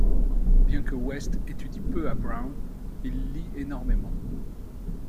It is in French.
Bien que West étudie peu à Brown, il lit énormément.